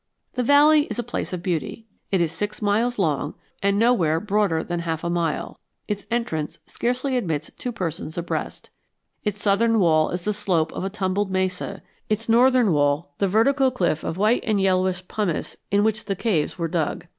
The valley is a place of beauty. It is six miles long and nowhere broader than half a mile; its entrance scarcely admits two persons abreast. Its southern wall is the slope of a tumbled mesa, its northern wall the vertical cliff of white and yellowish pumice in which the caves were dug.